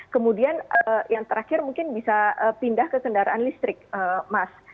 kemudian yang terakhir mungkin bisa pindah ke kendaraan listrik mas